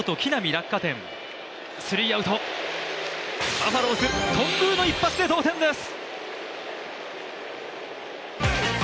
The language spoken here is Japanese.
バファローズ、頓宮の一発で同点です。